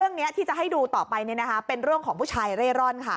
เรื่องนี้ที่จะให้ดูต่อไปเป็นเรื่องของผู้ชายเร่ร่อนค่ะ